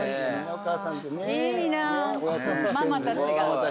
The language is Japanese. いいなママたちが。